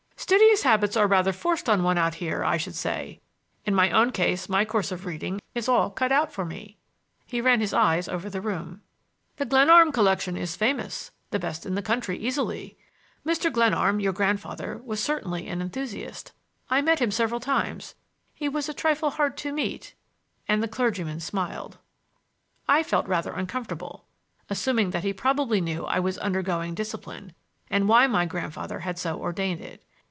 "Studious habits are rather forced on one out here, I should say. In my own case my course of reading is all cut out for me." He ran his eyes over the room. "The Glenarm collection is famous,—the best in the country, easily. Mr. Glenarm, your grandfather, was certainly an enthusiast. I met him several times; he was a trifle hard to meet,"—and the clergyman smiled. I felt rather uncomfortable, assuming that he probably knew I was undergoing discipline, and why my grandfather had so ordained it.